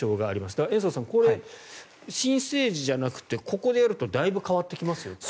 だから、延増さん申請時じゃなくて、ここでやるとだいぶ変わってきますよと。